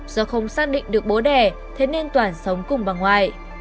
do không xác định được bố đẻ thế nên toàn sống cùng bằng ngoại